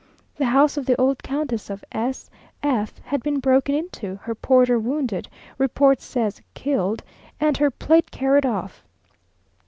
The house of the old Countess of S F had been broken into, her porter wounded, report says killed, and her plate carried off.